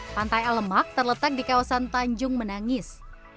pantai elemak terletak di kawasan tanjung menangis